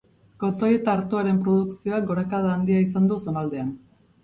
Kotoi eta artoaren produkzioak gorakada handia izan du zonaldean.